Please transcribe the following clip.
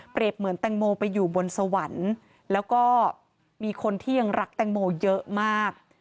เหมือนแตงโมไปอยู่บนสวรรค์แล้วก็มีคนที่ยังรักแตงโมเยอะมาก